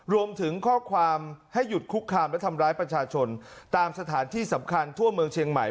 รวมถึงข้อความให้หยุดคุกคามและทำร้ายประชาชนตามสถานที่สำคัญทั่วเมืองเชียงใหม่